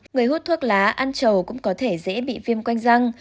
người hút thuốc lá ăn trầu cũng có thể dễ bị viêm quanh răng